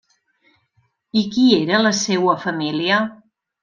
I qui era la seua família?